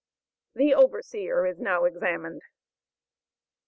THE OVERSEER IS NOW EXAMINED.